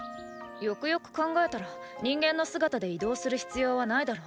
よくよく考えたら人間の姿で移動する必要はないだろ？